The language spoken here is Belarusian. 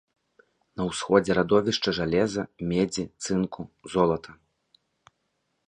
На усходзе радовішча жалеза, медзі, цынку, золата.